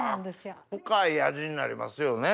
深い味になりますよね。